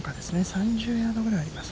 ３０ヤードぐらいあります。